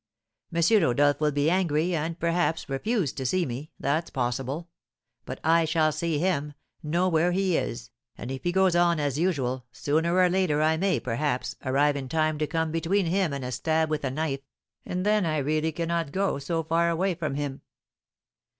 M. Rodolph will be angry, and, perhaps, refuse to see me, that's possible; but I shall see him, know where he is, and if he goes on as usual, sooner or later I may, perhaps, arrive in time to come between him and a stab with a knife; and then I really cannot go so far away from him!